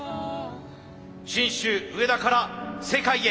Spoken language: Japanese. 信州上田から世界へ。